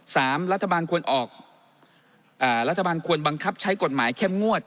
รัฐบาลควรออกอ่ารัฐบาลควรบังคับใช้กฎหมายเข้มงวด